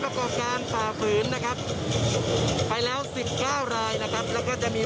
ประกอบการฝ่าฝืนนะครับไปแล้ว๑๙รายนะครับแล้วก็จะมี